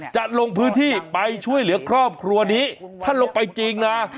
จะลงพื้นที่ไปช่วยเหลือครอบครัวนี้ถ้าลงไปจริงนะ